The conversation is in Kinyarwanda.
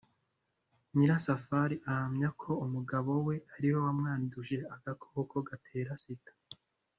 nyirasafari ahamya ko umugabo we ariwe wamwanduje agakoko gatera sida.